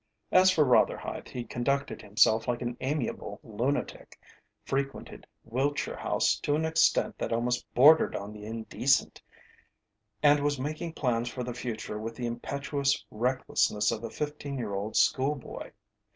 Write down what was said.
As for Rotherhithe he conducted himself like an amiable lunatic, frequented Wiltshire House to an extent that almost bordered on the indecent, and was making plans for the future with the impetuous recklessness of a fifteen year old schoolboy.